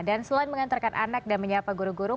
dan selain mengantarkan anak dan menyiapkan guru guru